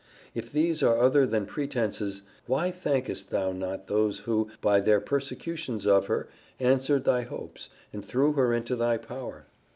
If these are other than pretences, why thankest thou not those who, by their persecutions of her, answered thy hopes, and threw her into thy power?